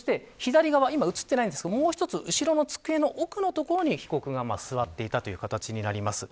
そして左側、今映っていないですがもう一つ後ろの机の奥の所に被告が座っていたという形になります。